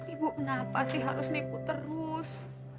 ibu kenapa sih harus nipu terus